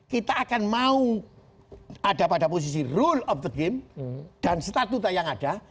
kita akan mau ada pada posisi rule of the game dan statuta yang ada